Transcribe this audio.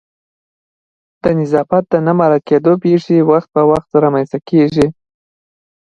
د نظافت د نه مراعت کېدو پیښې وخت په وخت رامنځته کیږي